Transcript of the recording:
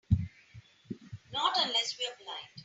Not unless we're blind.